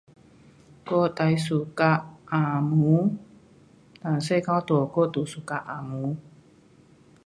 我最 suka 红毛，从小到大我都 suka 红毛。